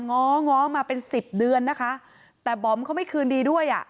ง้อง้อมาเป็นสิบเดือนนะคะแต่บอมเขาไม่คืนดีด้วยอ่ะ